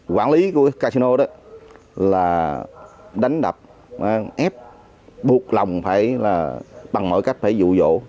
quản lý của casino đó là đánh đập ép buộc lòng phải là bằng mọi cách phải dụ dỗ